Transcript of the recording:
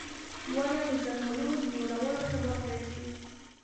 • ونه د ځنګلونو د جوړولو سبب ګرځي